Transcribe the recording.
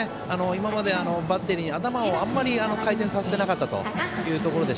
今までバッテリー、頭をあまり回転させてなかったので。